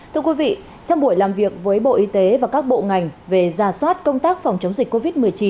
thưa quý vị trong buổi làm việc với bộ y tế và các bộ ngành về giả soát công tác phòng chống dịch covid một mươi chín